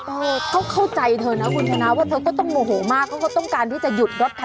เออเขาเข้าใจเธอนะคุณชนะว่าเธอก็ต้องโมโหมากเขาก็ต้องการที่จะหยุดรถเธอ